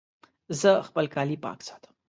زه خپل کالي پاک ساتم.